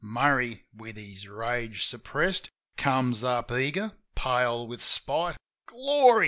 Murray, with his rage suppressed, Comes up eager, pale with spite. "Glory!"